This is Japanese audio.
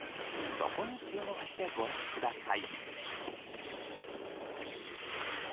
そこに注目してご覧ください。